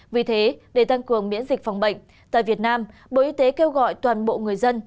vì thế để tăng cường miễn dịch phòng bệnh tại việt nam bộ y tế kêu gọi toàn bộ người dân